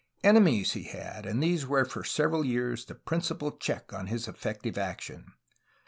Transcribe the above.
Ene mies he had, and these were for several years the principal check on his effective action.